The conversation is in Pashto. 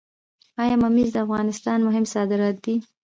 آیا ممیز د افغانستان مهم صادرات دي؟